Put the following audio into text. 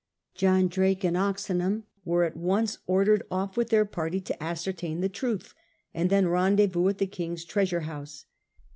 John Drake and Oxenham were at once ordered off with their party to ascertain the truth and then rendezvous at the King's treasure house.